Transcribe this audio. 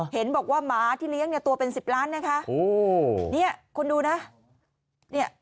เห็นบอกว่าหมาที่เลี้ยงเนี่ยตัวเป็นสิบล้านนะคะเนี่ยคุณดูนะเนี่ย